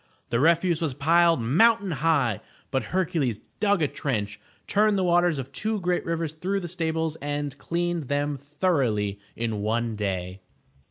The refuse was piled mountain high, but Hercules dug a trench, turned the waters of two great rivers through the stables and cleaned them 429 M Y BOOK HOUSE thoroughly in one day.